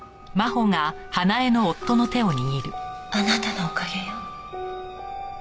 あなたのおかげよ。